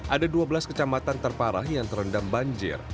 ada dua belas kecamatan terparah yang terendam banjir